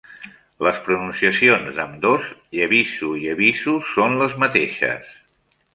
Les pronunciacions d'ambdós "Yebisu" i "Ebisu" són les mateixes.